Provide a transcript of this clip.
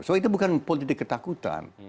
jadi itu bukan politik ketakutan